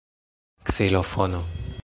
ksilofono